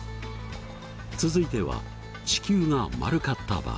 続いては地球が丸かった場合。